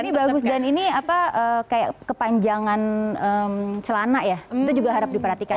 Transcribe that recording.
ini bagus dan ini apa kayak kepanjangan celana ya itu juga harap diperhatikan